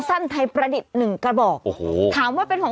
ช่วยเจียมช่วยเจียม